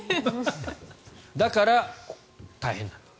だから、大変なんだと。